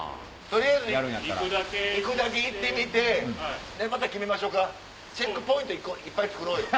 取りあえず行くだけ行ってみてまた決めましょかチェックポイントいっぱい作ろうよ。